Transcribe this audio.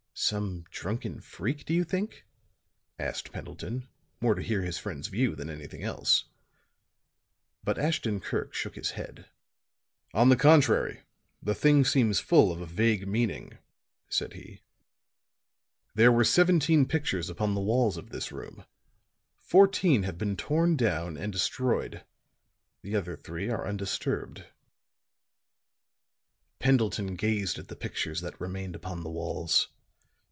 "Some drunken freak, do you think?" asked Pendleton, more to hear his friend's view than anything else. But Ashton Kirk shook his head. "On the contrary, the thing seems full of a vague meaning," said he. "There were seventeen pictures upon the walls of this room; fourteen have been torn down and destroyed; the other three are undisturbed." Pendleton gazed at the pictures that remained upon the walls.